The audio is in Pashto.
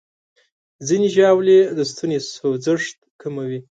ځینې ژاولې د ستوني سوځښت کموي.